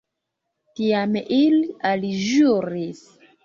Tiam ili alĵuris.